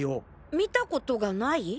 見たコトがない？